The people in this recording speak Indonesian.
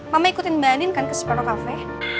mama ikutin mbak anin kan ke seperno cafe